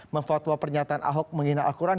memfatwa pernyataan ahok menghina al quran